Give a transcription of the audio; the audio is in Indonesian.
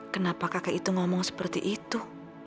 kenapa kakek itu ngomong seperti itu